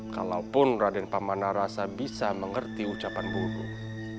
kalaupun raden pamanarasa bisa mengerti ucapan burung